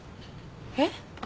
えっ？